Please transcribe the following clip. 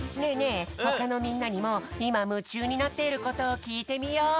えほかのみんなにもいまむちゅうになっていることをきいてみよう。